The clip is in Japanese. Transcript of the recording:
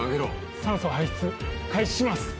酸素排出開始します。